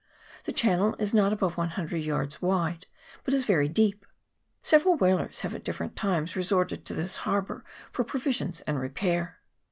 The channel is not above 100 yards wide, but is very deep. Several whalers have at different times re sorted to this harbour for provisions and repair.